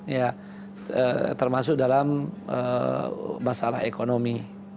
ya termasuk dalam masalah ekonomi